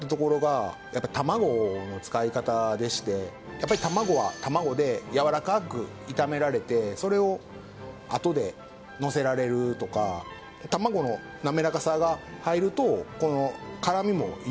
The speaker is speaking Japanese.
やっぱり卵は卵でやわらかく炒められてそれをあとでのせられるとか何とか連敗を止めた餃子の王将